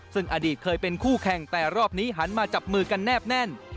ซึ่งอดีตเคยเป็นคู่แข่งแต่รอบนี้หันมาจับมือกันแนบแน่น